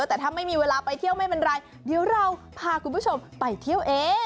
แต่ถ้าไม่มีเวลาไปเที่ยวไม่เป็นไรเดี๋ยวเราพาคุณผู้ชมไปเที่ยวเอง